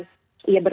ia berterima kasih